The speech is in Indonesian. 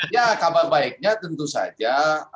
ya kabar baiknya tentu saja